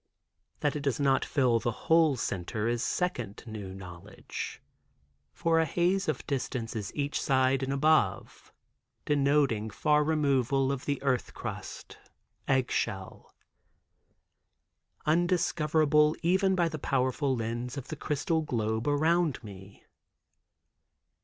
That it does not fill the whole center is second new knowledge, for a haze of distance is each side and above, denoting far removal of the earth crust, egg shell, undiscoverable even by the powerful lens of the crystal globe around me.